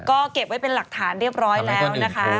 ก็เก็บไว้เป็นหลักฐานเรียบร้อยแล้วนะคะ